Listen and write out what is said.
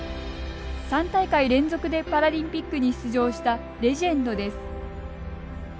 ３大会連続でパラリンピックに出場したレジェンドです。